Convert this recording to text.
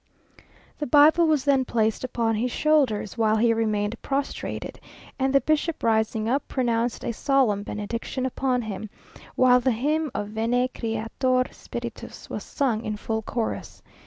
The Bible was then placed upon his shoulders, while he remained prostrated, and the bishop rising up, pronounced a solemn benediction upon him, while the hymn of "Veni Creator Spiritus," was sung in full chorus.